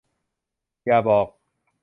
อย่าบอก